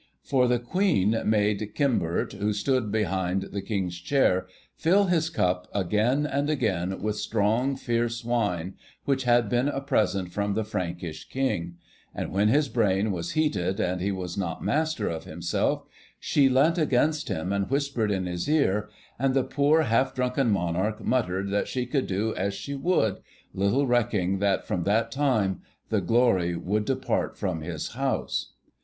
For the Queen made Cymbert, who stood behind the King's chair, fill his cup again and again with strong, fierce wine, which had been a present from the Frankish King, and when his brain was heated, and he was not master of himself, she leant against him, and whispered in his ear; and the poor half drunken Monarch muttered that she could do as she would, little recking that from that time the glory would depart from his house.